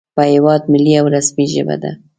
په د هېواد ملي او رسمي ژبه ده